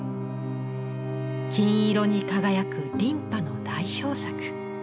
金色に輝く琳派の代表作。